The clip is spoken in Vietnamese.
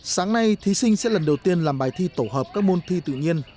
sáng nay thí sinh sẽ lần đầu tiên làm bài thi tổ hợp các môn thi tự nhiên